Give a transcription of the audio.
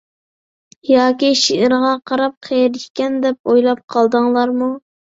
ياكى شېئىرغا قاراپ قېرى ئىكەن دەپ ئويلاپ قالدىڭلارمۇ؟